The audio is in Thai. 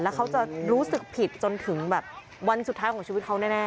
แล้วเขาจะรู้สึกผิดจนถึงแบบวันสุดท้ายของชีวิตเขาแน่